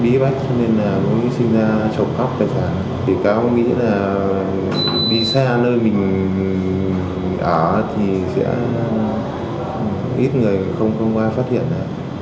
vì cáo cũng nghĩ là đi xa nơi mình ở thì sẽ ít người không có ai phát hiện